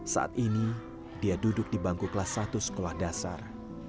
saat ini dia duduk di bangku kelas satu sekolah dasar